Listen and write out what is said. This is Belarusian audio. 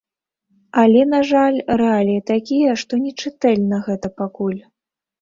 Але, на жаль, рэаліі такія, што не чытэльна гэта пакуль.